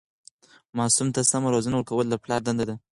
ماسوم ته سمه روزنه ورکول د پلار دنده ده.